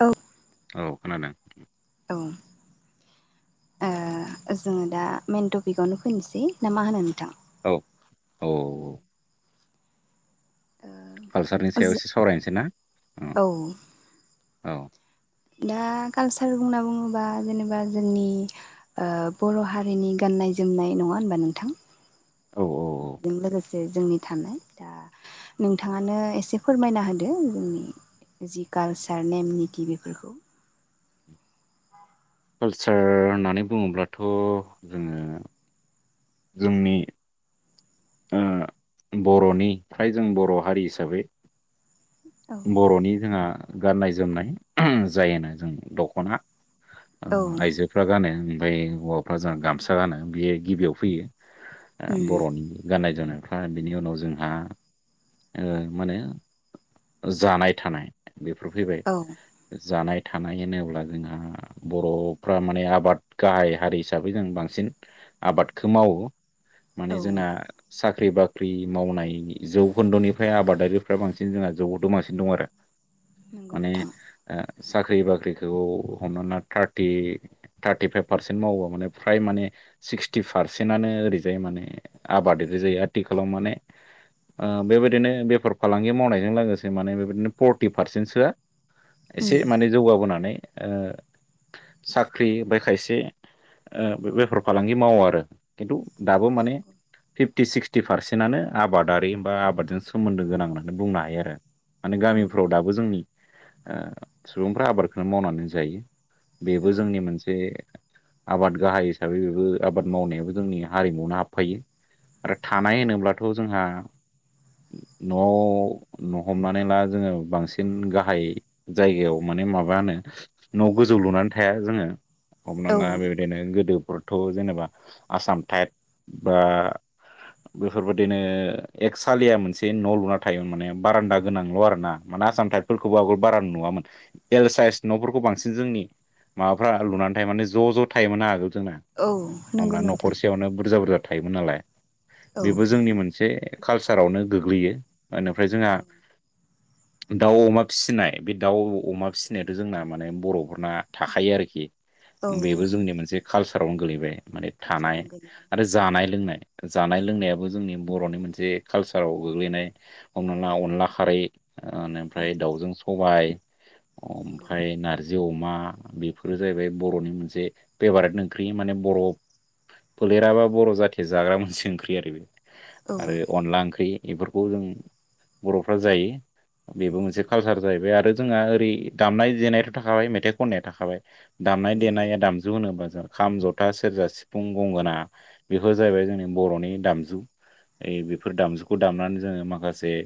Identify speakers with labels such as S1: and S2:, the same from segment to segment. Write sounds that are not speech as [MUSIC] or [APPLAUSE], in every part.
S1: औ
S2: औ खोनादों।
S1: औ ओ जोङो दा मेइन टपिकावनो फैनोसै ना मा होनो नोंथां?
S2: औ औ औ कालसारनि सायाव एसे सावरायनोसै ना औ औ
S1: दा कालसार बुंना बुङोबा जेनेबा जोंनि ओ बर' हारिनि गाननाय गाननाय जोमनाय नङा ओमबा नोंथां?
S2: औ औ
S1: बेजों लोगोसे जोंनि थानाय दा नोंथाङानो एसे फोरमायना होदो जोंनि जि कालचार नेम निथि बेफोरखौ
S2: कालसार होननानै बुङोब्लाथ' जोङो जोंनि बर'निफ्राय जों बर' हारि हिसाबै
S1: औ
S2: बर'नि जोंहा गाननाय जोमनाय जायोना जों दख'ना
S1: औ
S2: आइजोफ्रा गानो ओमफ्राय हौवाफ्रा जोंहा गामसा गानो बियो गिबियाव फैयो।
S1: उम
S2: बर'नि गाननाय जोमनाय ओमफ्राय बिनि उनाव जोंहा ओ मा नो जानाय थानाय बेफोर फैबाय
S1: औ
S2: जानाय थानाय होनोब्ला जोंहा बर'फ्रा माने आबाद गाहाइ हारि हिसाबै जों बांसिन आबादखौ मावो
S1: औ
S2: माने जोंना साख्रि बा फ्रि मावनायनि जौखोन्दोनिफ्राय आबादारिफ्रा बांसिन जोंहा जौ दमासि दं आरो
S1: नंगौ
S2: माने
S1: नोंथां
S2: ओ साख्रि बाख्रिखौ हमानै ला थार-थार्टिफाइभ पारसेन्ट मावो माने फ्राय माने सिक्सटि पारसेन्टनो ओरैजाय माने आबाद ओरै जायो आथिखालाव माने बेबायदिनो बेफार फालांगि मावनाय बेजों लोगोसे माने बेबायदिनो फर्टि पारसेन्टसोआ एसे
S1: उम
S2: माने जौगाबोनानै ओ साख्रि बो खायसे ओ बेफार फालांगि मावो आरो खिन्थु दाबो माने फिफ्टि सिक्सटि पारसेन्टनो आबादारि बा आबादजों सोमोन्दो गोनां होननानै बुंनो हायो। थायो आरो माने
S1: नंगौ नंगौ
S2: गामिफ्राव दाबो जोंनि ओ सुबुंफ्रा आबादखौनो मावनानै जायो।
S1: औ
S2: बेबो जोंनि मोनसे आबाद गाहाइ हिसाबै बेबो आबाद मावनायाबो जोंनि हारिमु आवनो हाबफायो। आरो थानाय होनोब्लाथ' जोंहा न'आव न हमनानै ला जोङो बांसिन गाहाय जायगायाव माने माबानो न' गोज जौ लुनानै थाया जोङो। हमनान
S1: औ
S2: ला बेबायदिनो गोदो फोरथ' जेनेबा आसाम टाइट बा बेफोरबायदिनो एकसालिया मोनसे न' लुना थायोमोन माने। बारान्दा गोनांल' आरो ना। मानो आसाम थटाइपफोरखौबो आगोल बारा नुआमोन। एल साइस न'फोरखौ बांसिन जोंनि माबाफ्रा
S1: औ
S2: लुनानै थायो माने ज' ज' थायो मोना आगोल जोंना
S1: औ नंगौ
S2: हमना
S1: नोंथां
S2: न'खरसेयावनो बुरजा बुरजा थायोमोन नालाय
S1: औ
S2: बेबो जोंनि मोनसे कालचारावनो गोग्लैयो मानो फ्राय जोंहा
S1: औ [INAUDIBLE]
S2: दाउ अमा फिसिनाय बे दाउ अमा फिसिनायाथ' जोंना माने बर'फोरना थाखायो आरोखि।
S1: औ
S2: बेबो जोंनि मोनसे कालसारावनो गोलैबाय माने थानाय
S1: कालसारावनो
S2: आरो
S1: गोलैयो
S2: जानाय
S1: औ
S2: लोंनाय। जानाय लोंनायाबो जोंनि बर'नि मोनसे कालसाराव गोग्लैनाय हमनान ला अनला खारै
S1: उम
S2: ओनिफ्राय दाउजों सबाय
S1: नंगौ
S2: अमफाय नार जि अमा बेफोरो जाहैबाय बर'नि मोनसे फेभारेट ओंख्रि माने बर' फोलेराबा बर' जाथिया जाग्रा मोनसे ओंख्रि आरो बे।
S1: औ
S2: आरो अनला ओंख्रि एफोरखौ जों बर'फ्रा जायो। बेबो मोनसे
S1: औ
S2: कालसार जाहैबाय आरो जोंहा ओरै दामनाय जेनायथ' थाखाबाय मेथाइ खननाया थाखाबाय। दामनाय
S1: नंगौ
S2: देनाय
S1: नोंथां
S2: दामजु होनोब्ला खाम, जथा, सेरजा, सिफुं, गंगोना बेफोर जाहैबाय जोंनि बर'नि दामजु। ओइ बेफोर दामजुखौ दामनानै जोङो माखा से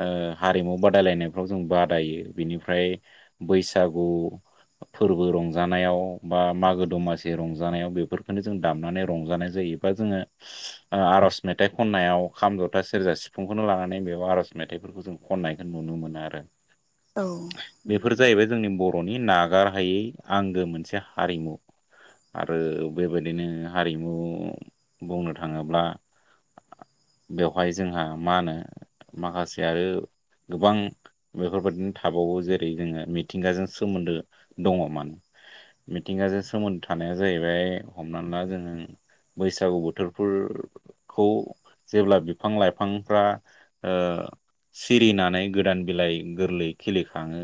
S2: ओ हारिमु बादायलायनायफ्राव जों बादायो बिनिफ्राय बैसागु अ फोरबो रंजानायाव बा मागो दमासि रंजानायाव बेफोरखौनो जों दामनानै रंजानाय जाय इ बा जोङो ओ आर'ज मेथाइ खननायाव खाम ज'था सेरजा सिफुंखौनो लाना बेयाव आरज मेथाइफोरखौ जों खननायखौ नुनो मोनो आरो।
S1: नंगौ
S2: बेफोर जाहैबाय
S1: नोंथां
S2: जोंनि ब र'नि नागारहायै आंगो मोनसे हारिमु। आरो बेबायदिनो हारिमु बुंनो थाङोब्ला बेवहाय जोंहा मा होनो माखासे आरो गोबां बेफोरबादिनो थाबावो जेरै जोङो मिथिंगाजों सोमोन्दो दङ'मोन। मिथिंगाजों सोमोन्दो थानाया जाहैबाय हमनान ला जोङो बैसागु बोथोरफोरखौ जेब्ला बिफां लाइफांफ्रा ओ सिरिनानै गोदान बिलाइ गोरलै खिलिखाङो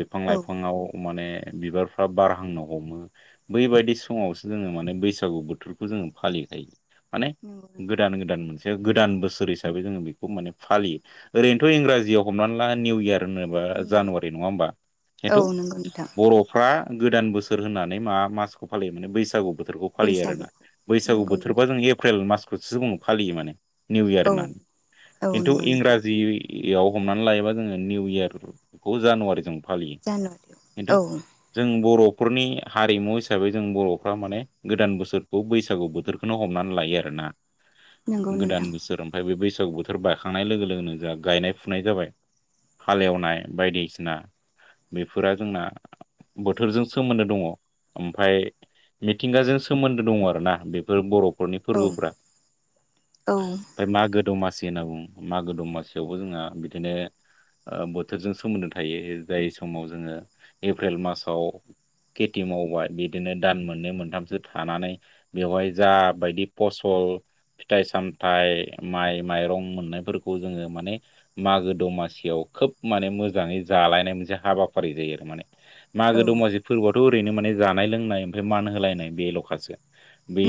S2: बिफां
S1: औ
S2: लाइफाङाव माने बिबारफ्रा बारहांनो हमो बैबायदि समावसो जोङो माने बैसागु बोथोरखौ जोङो फालिखायो। माने
S1: नंगौ नोंथां
S2: गोदान गोदान मोनसे गोदान बोसोर हिसाबै जोङो बिखौ माने फालि ओरैनोथ' इंराजियाव हमनानै ला निउ इयार होनोबा
S1: निउ
S2: जानुवारि
S1: इयार
S2: नङा होमबा? हेथु
S1: औ नंगौ नोंथां
S2: बर'फ्रा गोदान बोसोर होननानै मा मासखौ फालियो माने बैसागु बो बोथोरखौ फालियो आरोना।
S1: बैसागुखौ
S2: बैसागु
S1: नंगौ
S2: बोथोरबा
S1: नोंथां
S2: जों एप्रिल मासखौसो [UNINTELLIGIBLE] फालियो माने। निउ इयार
S1: औ
S2: होननानै
S1: औ
S2: खिन्थु
S1: नंगौ नोंथां
S2: इंराजियै याव हमनानै लायोबा जोङो निउ इयारखौ जानुवारिजों फालियो
S1: जानुवारियाव
S2: खिन्थु
S1: औ
S2: जों बर' फरनि हारिमु हिसाबै जों बर'फ्रा माने गोदान बोसोरखौ बैसागु बोथोरखौनो हमनानै लायो आरोना।
S1: नंगौ नोंथां
S2: गोदान बोसोर ओमफाय बे बैसागु बोथोर बायखांनाय लोगो लोगोनो जोंहा गायनाय फुनाय जाबाय। हालेवनाय बायदिसिना बेफोरा जोंना बोथोरजों सोमोन्दो दङ। ओमफ्राय मिथिंगाजों सोमोन्दो दङ आरो ना बेफोर बर' फोरनि
S1: औ
S2: फोरबोफ्रा
S1: औ
S2: ओमफ्राय मागो दमा सि होनना बुं मागो दमासियावबो जोंहा बिदिनो। बोथोरजों सोमोन्दो थायो जाय समाव जोङो एप्रिल मासाव। खेथि मावबाय बिदिनो दान मोननै मोनथामसो थानानै बेवहाय जा बायदि फसल। फिथाइ सामथाइ माइ माइरं मोननायफोरखौ जोङो माने मागो दमासियाव खोब माने मोजाङै जालायनाय मोनसे हाबाफारि जायो आरो माने मागो
S1: औ
S2: दमासि फोरबोआथ' ओरैनो माने जानाय लोंनाय ओमफ्राय मान होलायनाय बेल'खासो।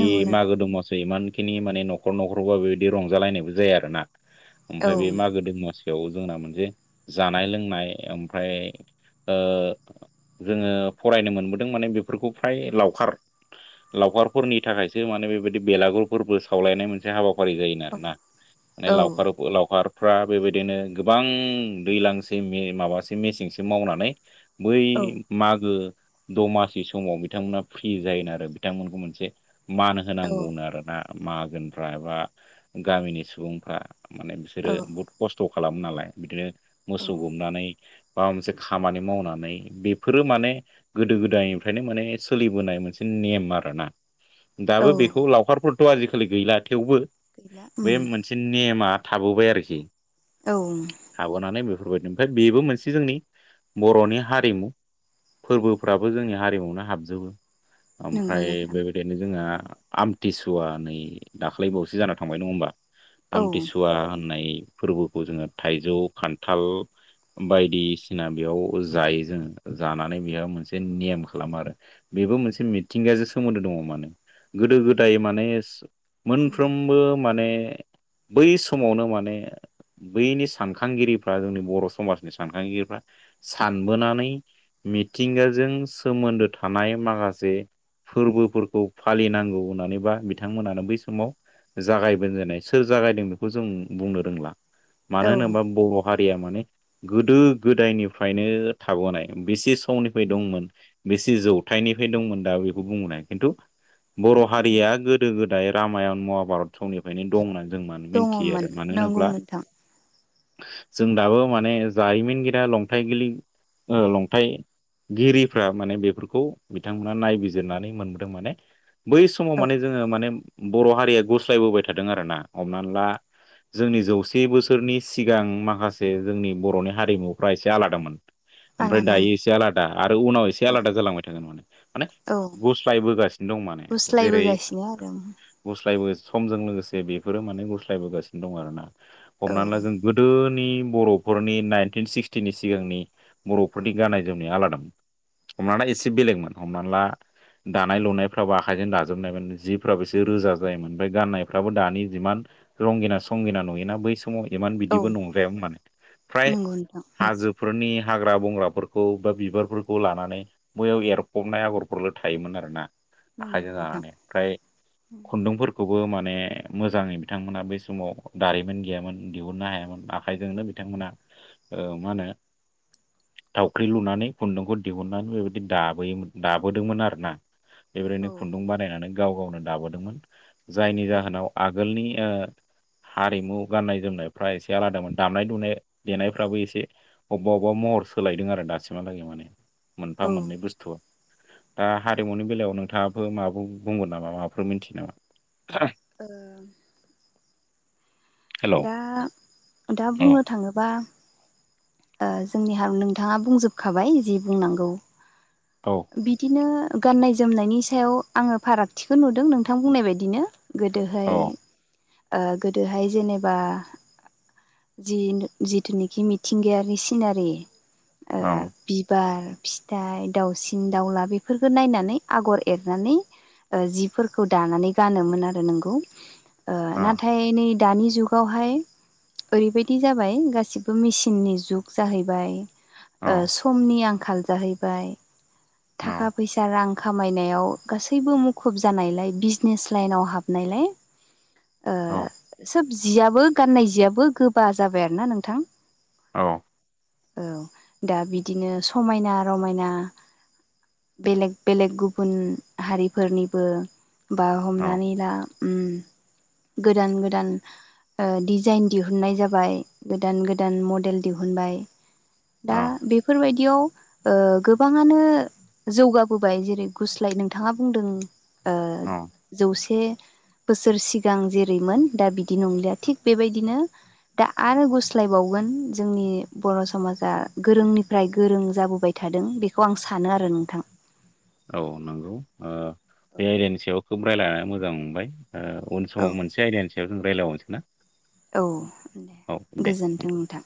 S1: नंगौ नोंथां
S2: मागो दंमासियाव इमान खिनि माने न'खर न'खरबा बेबायदि रंजालायनायबो जाया आरो ना?
S1: औ
S2: ओमफ्राय बे मागो दमासियाव जोंना मोनसे जानाय लोंनाय ओमफ्राय। जोङो फरायनो मोनबोदों माने बेफोरखौ फ्राय लावखार लावखार फोरनि थाखायसो माने बेबायदि बेलागुरफोरबो सावलायनाय मोनसे हाबा फारि जायोनो‌
S1: औ
S2: आरोना माने
S1: औ
S2: लावखार लावखार फ्रा बेबायदिनो गोबां दैज्लांसे माबसे मेसेंसे मावनानै बै मागो फो दमासनि समाव बिथांमोना फ्रि जायोनो आरो बिथांमोनखौ मोनसे मान होनांगौनो आरोना माहाजोनफ्रा एबा गामिनि सुबुंफ्रा माने बिसोरो
S1: औ
S2: बुहुद खस्थ' खालामो नालाय बिदिनो
S1: औ
S2: मोसौ गुमनानै बा मोनसे खामानि मावनानै बेफोरो माने गोदो गोदायनिफ्रायनो माने सोलिबोनाय मोनसे नेम आरोना
S1: औ
S2: दाबो बेखौ लावखारफोरथ' आजिखालि गैला थेवबो
S1: गैला
S2: बे
S1: उम
S2: मोनसे नेमा थाबोबाय आरोखि
S1: औ
S2: थाबोनानै बे फोरबायदि ओमफ्राय बेबो मोनसे जोंनि बर'नि हारिमु फोरबोफ्राबो जोंनि हारिमुनो हाबजोबो
S1: नंगौ
S2: ओमफ्राय
S1: नोंथां
S2: बेबायदिनो जोंहा। आमथिसुवा नै दाख्लै बावसो जाना थांबाय नङा होमबा। आमथि
S1: औ
S2: सुवा होननाय फोरबोखौ जोङो थाइजौ खान्थाल बायदिसिना बेयाव जायो जोङो। जानानै बेहा मोनसे नेयम खालामो आरो बेबो मोनसे मिथिंगायाजो सोमोन्दो दङ मानो। गोदो गोदाय माने
S1: औ
S2: मोनफ्रोमबो माने बै समावनो माने बैनि सानखांगिरिफ्रा जोंनि बर' समाजनि सानखांगिरिफ्रा सानबोनानै मिथिंगाजों सोमोन्दो थानाय माखासे। फोरबोफोरखौ फालिनांगौ होननानै बा बिथांमोनानो बै समाव जागाय जेननाय सोर जागायदों बेखौ जों बुंनो रोंला मानो होनोबा बर' हारि माने गोदो गोदायनिफ्रायनो थाबोनाय बेसे समनिफ्राय
S1: नंगौ
S2: दंमोन। बेसि जौथनिफ्राय दंमोन दा बेखौ बुं खिन्थु बर'
S1: नंगौ
S2: हारिया
S1: नोंथां
S2: गोदो-गोदाय रामायण महाभारत समनिफ्रायनो दं होननानै जों मानो मिथियो
S1: दङमोन
S2: आरो मानो
S1: नंगौ
S2: होनोब्ला
S1: नोंथां
S2: जों दाबो माने जारिमिनगिरि लंथाइ गि ओ लंथाइ गिरिफ्रा माने बेफोरखौ बिथांमोना नायबिजिरनानै मोनबोदों माने बै समाव
S1: औ
S2: माने जोङो माने बर' हारिया गुरस्लायबोबाय थादों आरोना हमना ला। जोंनि जौसे बोसोरनि सिगां माखासे जोंनि बर'नि हारिमुफ्रा एसे आलादामोन। ओमफ्राय दायो
S1: आलादामोन
S2: एसे आलादा आरो उनाव एसे
S1: औ
S2: आलादा जालांबाय थागोन माने माने
S1: औ
S2: गुस्लायबोगासिनो। दं माने जेरै
S1: गुस्लायबोगासिनो आरो
S2: गुस्लायबो समजों लोगोसे बेफोरो माने गुस्लायबोगासिनो दं आरोना
S1: औ
S2: हमनानै ला जों गोदो नि बर'फोरनि नाइनटिन सिक्सटिनि सिगांनि बर'फोरनि गाननाय जोमनाया आलादामोन हमना एसे बेलेगमोन हमना ला दानाय लुनायफ्रावबो आखाइजों दाजोबनायमोन जिब राबो एसे
S1: नंगौ
S2: रोजा जायोमोन ओमफ्राय गाननायफ्राबो दानि जिमान रंगिना संगना नुयोना बै। समाव इमान
S1: औ
S2: बिदिबो नंद्राया मा फ्राय
S1: नंगौ नोंथां
S2: हाजो फोरनि हाग्रा बंग्राफोरखौ बा बिबारफोरखौ लानानै बयाव एरफबनाय आगरफोरल' थायोमोन आरोना
S1: नंगौ
S2: आखाइजों
S1: नोंथां
S2: जानानै ओमफ्राय खुन्दुंफोरखौबो माने मोजाङै बिथांमोना बै समाव दारिमिन गैयामोन दिहुननो हायामोन आखाइजोंनो बिथांमोना ओ मा होनो थावख्रि लुनानै खुन्दुंखौ दिहुननानै बेबायदि दाबोयोमोन दाबोदोंमोन आरोना
S1: औ
S2: बेबायदिनो खुन्दुं बानायनानै गाव गावनो दाबोदोंमोन जायनि
S1: औ
S2: जाहोनाव आगोलनि ओ हारिमु गाननाय जोमनायफ्रा एसे आलादामोन दामनाय दुनाय देनायफ्राबो एसे अबावबा अबावबा म हर सोलायदों आरो दासिमहालागै माने मोनफा
S1: ओ
S2: मोननै बुस्थुआ दा हारिमुनि बेलायाव नोंथाङाबो माबाफोर बुंगोन नामा माबाफोर मिथियो नामा?
S1: ओ
S2: हेल' औ
S1: दा दा
S2: औ
S1: बुंनो थाङोबा ओ जोंनि हार नोंथाङा बुंजोबखाबाय जि बुंनांगौ।
S2: औ
S1: बिदिनो गाननाय जोमनायनि सायाव आङो फारागथिखौ नुदों नोंथां बुंनाय बायदिनो गोदोहाय ओ गोदोहाय जेनेबा जि जिथुनोखि मिथि मिथिंगायारि सिनारि ओ
S2: औ
S1: बिबार फिथाइ दाउसिन दाउला बेफोरफोरखौो नायनानै आगर एरनानै ओ जिफोरखौ दानानै गानोमोन आरो नोंगौ ओ
S2: औ
S1: नाथाय नै दानि जुगावहाय ओरैबायदि जाबाय गासिबो मेसिन थिननि जुग जाहैबाय ओ
S2: औ
S1: समनि आंखाल जाहैबाय। थाखा फैसा रां खामायनायाव गासैबो मुखुब जानायलाय बिजनेस लाइनाव हाबनायलाय ओ
S2: औ
S1: सोब जियाबो गाननाय जियाबो गोबा जाबाय आरो ना नोंथां
S2: औ
S1: औ दा बिदिनो समायना रमायना बेलेग बेलेग गुबुन हारिफोरनिबो बा
S2: औ
S1: हमनानै ला ओम गोदान गोदान ओ दिजाइन दिहुननाय जाबाय गोदान गोदान मडेल मदेल दिहोनबाय दा‌बेफोर बायदि याव गोबाङानो जौगाबोबाय जेरै गुस्लाय नोंथाङा बुंदों। ओ
S2: औ
S1: जौसे बोसोर सिगां जेरैमोन दा बिदि नंलिया थिग बेबायदिनो दा आरो गुस्लायबावगोन जोंनि बर' समाजा गोरोंनिफ्राय गोरों जाबोबाय थादों बेखौ आं सानो आरो नोंथां
S2: औ नंगौ बे आयदानि सायाव खोब रायज्लाया मोजां मोनबाय उन
S1: औ
S2: समाव मोनसे आयदानि सायाव जों रायलायबावनोसै ना
S1: औ दे
S2: औ दे
S1: गोजोन्थों नोंथां